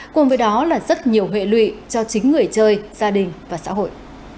cùng với đó là rất nhiều hệ lụy cho chính người chơi gia đình và xã hội